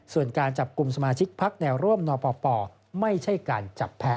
ส่วนการจับกลุ่มสมาชิกพักแนวร่วมนปปไม่ใช่การจับแพ้